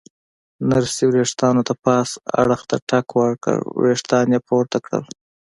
نرسې ورېښتانو ته پاس اړخ ته ټک ورکړ، ورېښتان یې پورته کړل.